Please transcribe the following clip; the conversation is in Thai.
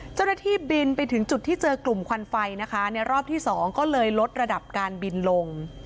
เจ้าหน้าที่บินไปถึงจุดที่เจอกลุ่มควันไฟนะคะในรอบที่สองก็เลยลดระดับการบินลง